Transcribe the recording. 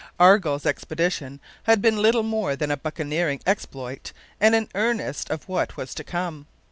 Argall's expedition had been little more than a buccaneering exploit and an earnest of what was to come.